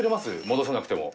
戻さなくても。